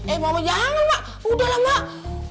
eh mama jangan mak udah lah mak